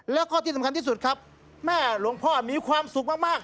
แล้วก็ที่สำคัญที่สุดครับแม่หลวงพ่อมีความสุขมาก